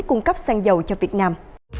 cung cấp xăng dầu cho việt nam